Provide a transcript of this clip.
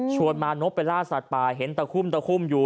ชวนมานพไปลากสัตว์ป่าเห็นแต่คุมคู่